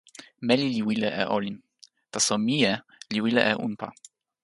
meli li wile e olin. taso mije li wile e unpa.